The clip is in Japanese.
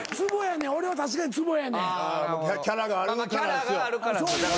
キャラがあるからです。